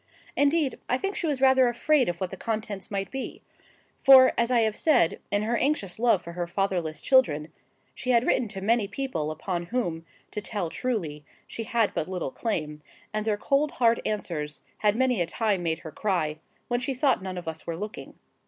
Indeed, I think she was rather afraid of what the contents might be; for, as I have said, in her anxious love for her fatherless children, she had written to many people upon whom, to tell truly, she had but little claim; and their cold, hard answers had many a time made her cry, when she thought none of us were looking.